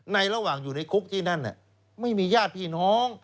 ระหว่างอยู่ในคุกที่นั่นไม่มีญาติพี่น้อง